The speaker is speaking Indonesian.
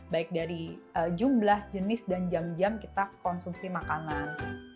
baik dari jumlah jenis dan jam jam kita konsumsi makanan